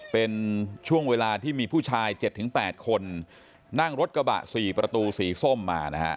เป็นช่วงเวลาที่มีผู้ชาย๗๘คนนั่งรถกระบะ๔ประตูสีส้มมานะฮะ